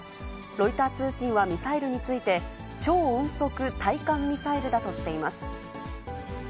ロイター通信はミサイルについて、超音速対艦ミサイルだとしています。